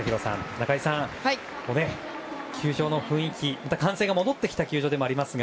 中居さん、球場の雰囲気また歓声が戻ってきた球場ですが。